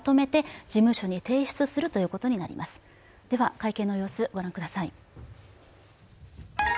会見の様子をご覧ください。